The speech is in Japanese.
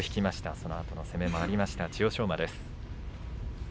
そのあとの攻めもありました千代翔馬です。